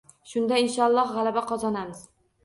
Shunda, inshoolloh, g‘alaba qozonamiz